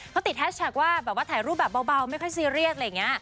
เขาติดแฮชแท็กว่าแบบว่าถ่ายรูปแบบเบาไม่ค่อยซีเรียสอะไรอย่างนี้